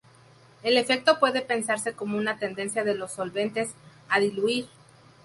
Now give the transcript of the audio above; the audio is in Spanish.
El efecto puede pensarse como una tendencia de los solventes a "diluir".